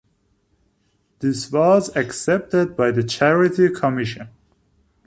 This was accepted by the Charity Commission.